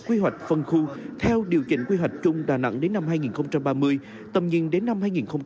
quy hoạch phân khu theo điều chỉnh quy hoạch chung đà nẵng đến năm hai nghìn ba mươi tầm nhiên đến năm hai nghìn bốn mươi năm